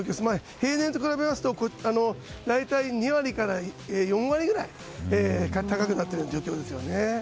平年と比べますと大体２割から４割ぐらい高くなっている状況ですよね。